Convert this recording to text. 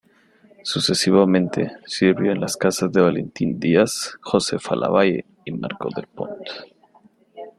Sucesivamente, sirvió en las casas de Valentín Díaz, Josefa Lavalle y Marcó del Pont.